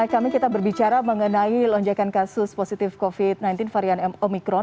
kami kita berbicara mengenai lonjakan kasus positif covid sembilan belas varian omikron